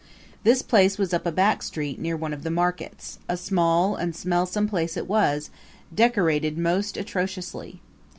This place was up a back street near one of the markets; a small and smellsome place it was, decorated most atrociously.